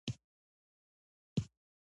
• دښمني د مهربانۍ قاتله ده.